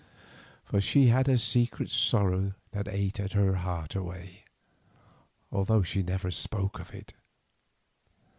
For she had a secret sorrow that ate her heart away, although she never spoke of it.